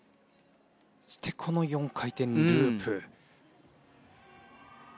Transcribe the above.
そしてこの４回転ループ。